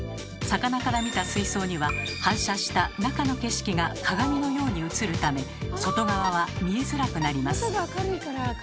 魚から見た水槽には反射した中の景色が鏡のように映るため外側は見えづらくなります。